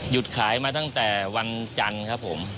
ขายมาตั้งแต่วันจันทร์ครับผม